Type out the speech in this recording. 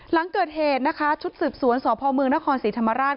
หลังเกิดเหตุนะคะชุดสืบสวนสพเมืองนครศรีธรรมราช